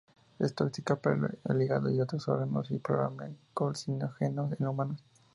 Es tóxica para el hígado y otros órganos, y un probable carcinógeno en humanos.